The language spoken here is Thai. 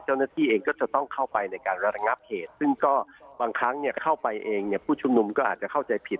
เจ้าหน้าที่เองก็จะต้องเข้าไปในการระงับเหตุซึ่งก็บางครั้งเนี่ยเข้าไปเองเนี่ยผู้ชุมนุมก็อาจจะเข้าใจผิด